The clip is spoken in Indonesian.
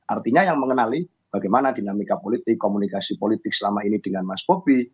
artinya yang mengenali bagaimana dinamika politik komunikasi politik selama ini dengan mas bobi